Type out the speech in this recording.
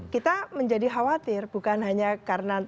kita menjadi khawatir bukan hanya karena